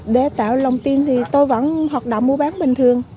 để tạo lòng tin thì tôi vẫn hoạt động mua bán bình thường